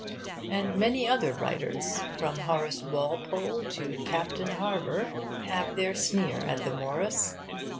And many other writers from Horace Walpole to Captain Harver have their sneer at the Morris.